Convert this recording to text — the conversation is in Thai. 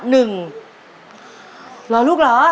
เหรอลูกเหรอ